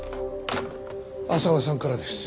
浅輪さんからです。